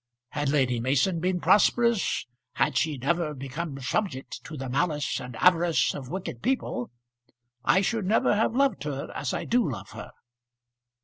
Had Lady Mason been prosperous, had she never become subject to the malice and avarice of wicked people, I should never have loved her as I do love her."